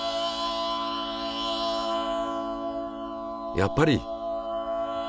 やっぱり！